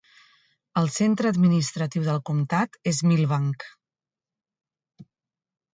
El centre administratiu del comtat és Milbank.